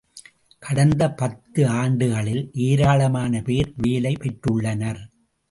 கடந்த பத்து ஆண்டுகளில் ஏராளமான பேர் வேலை பெற்றுள்ளனர்.